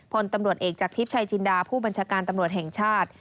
พลตำรวจเอกจากทิพย์ชัยจินดาผู้บัญชาการตำรวจแห่งชาติ